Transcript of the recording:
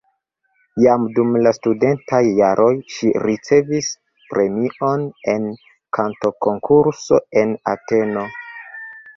Jam dum la studentaj jaroj ŝi ricevis premion en kantokonkurso en Ateno.